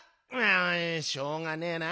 あしょうがねえな。